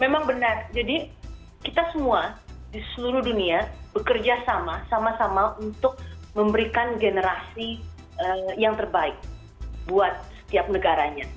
memang benar jadi kita semua di seluruh dunia bekerja sama sama untuk memberikan generasi yang terbaik buat setiap negaranya